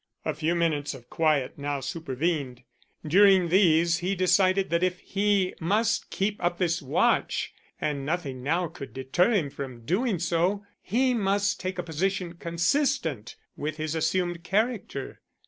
A few minutes of quiet now supervened. During these he decided that if he must keep up this watch and nothing now could deter him from doing so he must take a position consistent with his assumed character.